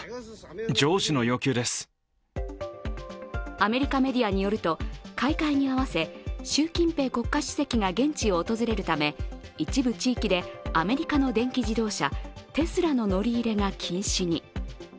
アメリカメディアによると開会に合わせ習近平国家主席が現地を訪れるため、一部地域でアメリカの電気自動車テスラの乗り入れが禁止に。